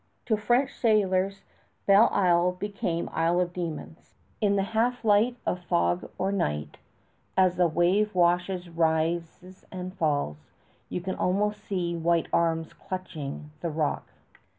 To French sailors Belle Isle became Isle of Demons. In the half light of fog or night, as the wave wash rises and falls, you can almost see white arms clutching the rock.